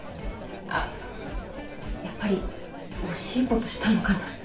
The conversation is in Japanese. あっやっぱり惜しいことしたのかな？